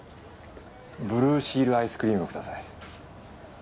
ブルーシールアイスクリームください。